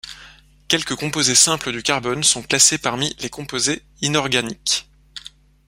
Quelques composés simples du carbone sont classés parmi les composés inorganiques.